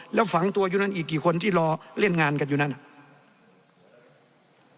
แล้วฝังตัวอยู่นั้นอีกกี่คนที่รอเล่นงานกันอยู่นั่นน่ะ